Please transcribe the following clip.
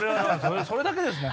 それだけですね